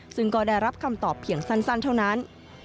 ซึ่งก็ได้รับคำตอบเพียงสั้นเท่านั้น